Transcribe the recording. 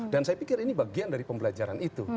dan saya pikir ini bagian dari pembelajaran itu